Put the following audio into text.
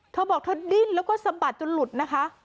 เธอบอกเธอดิ้นแล้วก็สะบัดจนหลุดนะคะ